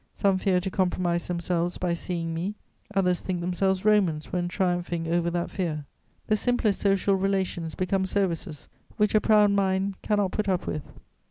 Some fear to compromise themselves by seeing me, others think themselves Romans when triumphing over that fear. The simplest social relations become services which a proud mind cannot put up with.